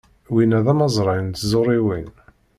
Winna d amazray n tẓuriwin.